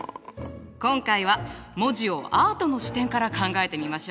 今回は文字をアートの視点から考えてみましょう！